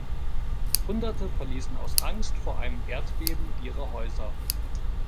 Hunderte verließen aus Angst vor einem Erdbeben ihre Häuser.